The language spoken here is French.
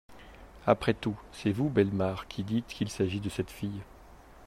Après tout, c'est vous, Bellemare, qui dites qu'il s'agit de cette fille.